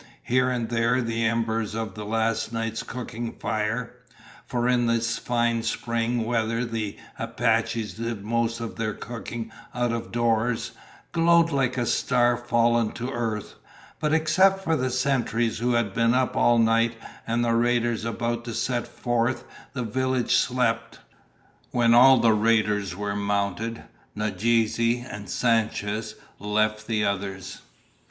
Here and there the embers of last night's cooking fire for in this fine spring weather the Apaches did most of their cooking out of doors glowed like a star fallen to earth. But except for the sentries who had been up all night, and the raiders about to set forth, the village slept. When all the raiders were mounted, Nadeze and Sanchez left the others.